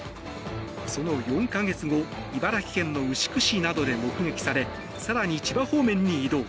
その４か月後茨城県の牛久市などで目撃され更に千葉方面に移動。